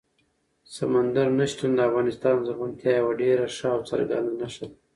سمندر نه شتون د افغانستان د زرغونتیا یوه ډېره ښه او څرګنده نښه ده.